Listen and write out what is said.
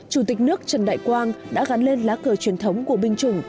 chủ tịch nước trần đại quang đã gắn lên lá cờ truyền thống của binh chủng